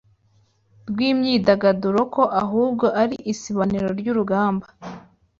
rw’imyidagaduro ko ahubwo ari isibaniro ry’urugamba